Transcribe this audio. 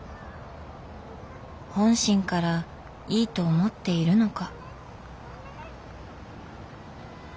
本心からいいと思っているのか。